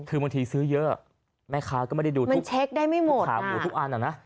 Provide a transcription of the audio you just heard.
ถึงบางทีซื้อเยอะแม่ค้าก็ไม่ได้ดูทุกข่าหมูทุกอันอ่ะนะ